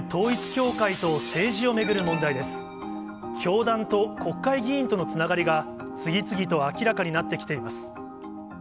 教団と国会議員とのつながりが、次々と明らかになってきています。